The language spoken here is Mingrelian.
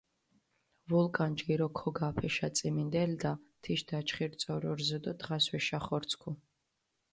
ვულკან ჯგირო ქოგაფჷ ეშაწიმინდელდა, თიშ დაჩხირი წორო რზჷ დო დღას ვეშახორცქუ.